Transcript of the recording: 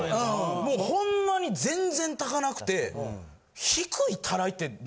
もうホンマに全然高なくて。